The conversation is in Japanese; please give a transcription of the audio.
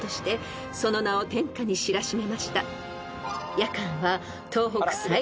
［夜間は］